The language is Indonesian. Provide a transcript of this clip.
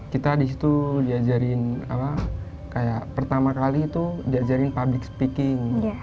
kita di situ diajarin pertama kali itu diajarin public speaking